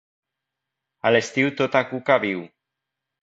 A l'estiu tota cuca viu.